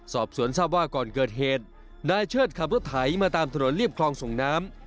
สอบสวนทราบว่าก่อนเกิดเหตุนายเชิดขับรถไถมาตามถนนเรียบคลองส่งน้ำ